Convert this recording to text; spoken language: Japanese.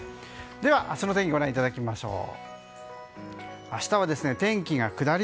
では、明日の天気ご覧いただきましょう。